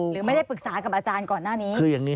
หรือไม่ได้ปรึกษากับอาจารย์ก่อนหน้านี้